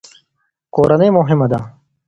کورنۍ مهمه ده.